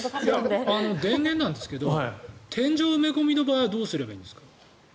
電源なんですが天井埋め込みの場合はどうすればいいんですか？